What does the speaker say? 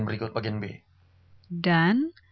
berikut bagian b dan